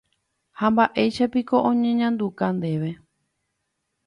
Ha mba'éichapiko oñeñanduka ndéve.